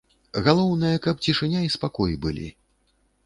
Галоўнае, каб цішыня і спакой былі.